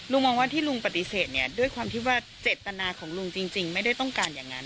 มองว่าที่ลุงปฏิเสธเนี่ยด้วยความที่ว่าเจตนาของลุงจริงไม่ได้ต้องการอย่างนั้น